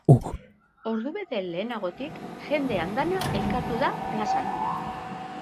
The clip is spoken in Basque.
Ordubete lehenagotik, jende andana elkartu da plazan.